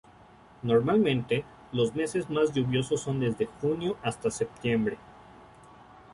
Normalmente, los meses más lluvioso son desde junio hasta septiembre.